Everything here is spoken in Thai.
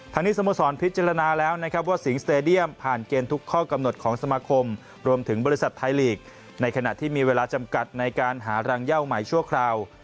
นี้สโมสรพิจารณาแล้วนะครับว่าสิงสเตดียมผ่านเกณฑ์ทุกข้อกำหนดของสมาคมรวมถึงบริษัทไทยลีกในขณะที่มีเวลาจำกัดในการหารังเย่าใหม่ชั่วคราว